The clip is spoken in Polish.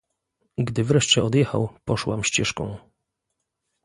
"Gdy wreszcie odjechał, poszłam ścieżką."